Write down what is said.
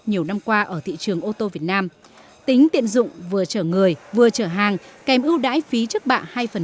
nhiều năm qua ở thị trường ô tô việt nam tính tiện dụng vừa chở người vừa chở hàng kèm ưu đãi phí trước bạ hai